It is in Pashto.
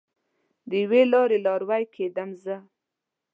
د یوې لارې لاروی کیدم زه